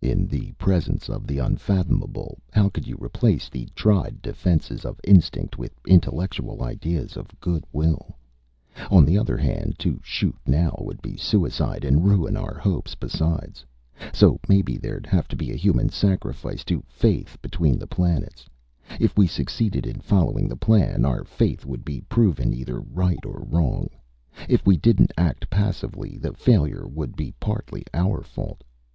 In the presence of the unfathomable, how could you replace the tried defenses of instinct with intellectual ideas of good will? On the other hand, to shoot now would be suicide and ruin our hopes, besides. So maybe there'd have to be human sacrifices to faith between the planets. If we succeeded in following the plan, our faith would be proven either right or wrong. If we didn't act passively, the failure would be partly our fault.